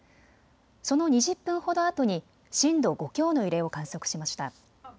その２０分ほどあとに震度５強の揺れを観測しました。